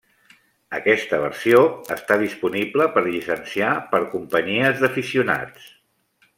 Aquesta versió està disponible per llicenciar per companyies d'aficionats.